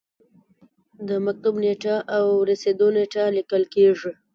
د مکتوب نیټه او رسیدو نیټه لیکل کیږي.